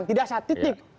tidak sah titik